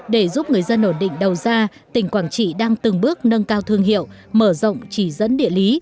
để giúp người dân ổn định đầu ra tỉnh quảng trị đang từng bước nâng cao thương hiệu mở rộng chỉ dẫn địa lý